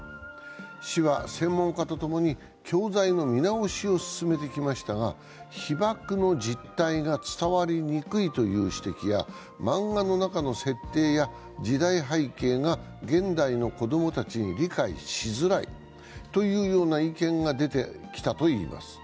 市は専門家とともに、教材の見直しを伝えてきましたが、被爆の実態が伝わりにくいという指摘や漫画の中の設定や時代背景が現代の子供たちに理解しづらいというような意見が出てきたといいます。